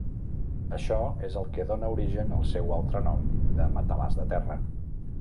Això és el que dóna origen al seu altre nom de "matalàs de terra".